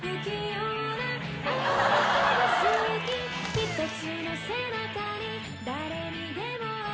「一つの背中に誰にでもある」